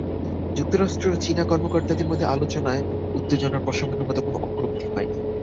যুক্তরাষ্ট্র ও চীনা কর্মকর্তাদের মধ্যে আলোচনায় উত্তেজনা প্রশমনের মতো কোনো অগ্রগতি হয়নি।